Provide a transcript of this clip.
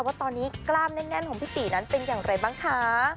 ว่าตอนนี้กล้ามแน่นของพี่ตีนั้นเป็นอย่างไรบ้างคะ